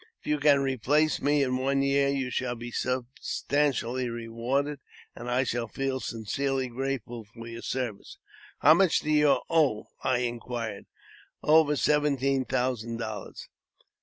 If you can replace me in one year, you shall be substantially rewarded, and I shall feel sincerely grateful for your service." *' How much do you owe ?" I inquired. Over seventeen thousand dollars."